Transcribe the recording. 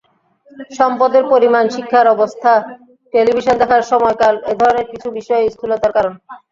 সম্পদের পরিমাণ, শিক্ষার অবস্থা, টেলিভিশন দেখার সময়কাল—এ ধরনের কিছু বিষয় স্থূলতার কারণ।